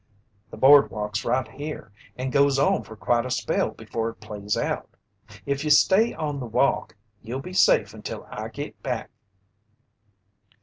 The boardwalk's right here, and goes on fer quite a spell before it plays out. If ye stay on the walk, you'll be safe until I git back."